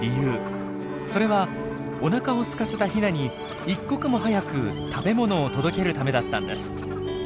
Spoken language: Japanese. それはおなかをすかせたヒナに一刻も早く食べ物を届けるためだったんです。